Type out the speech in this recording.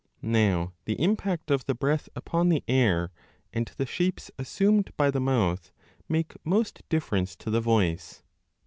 Now the impact of the breath upon the air and the shapes assumed by the mouth make most difference to the voice.